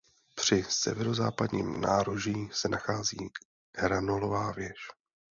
Při severozápadním nároží se nachází hranolová věž.